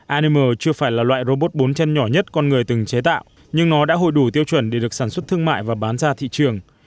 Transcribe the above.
amm chưa phải là loại robot bốn chân nhỏ nhất con người từng chế tạo nhưng nó đã hội đủ tiêu chuẩn để được sản xuất thương mại và bán ra thị trường